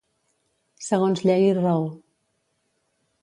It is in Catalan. Segons llei i raó.